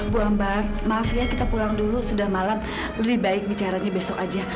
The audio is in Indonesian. bu ambar maaf ya kita pulang dulu sudah malam lebih baik bicaranya besok aja